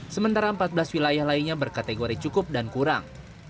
sementara empat belas wilayah lainnya berkategori cukup dan kurang